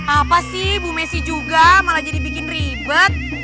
apa sih bu messi juga malah jadi bikin ribet